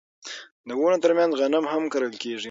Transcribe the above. د ونو ترمنځ غنم هم کرل کیږي.